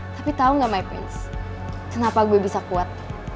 tapi tau gak my friends kenapa gue bisa kuat